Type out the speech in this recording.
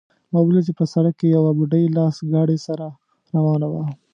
ما ولیدل چې په سړک کې یوه بوډۍ لاس ګاډۍ سره روانه وه